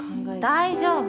大丈夫。